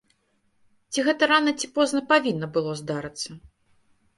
Ці гэта рана ці позна павінна было здарыцца?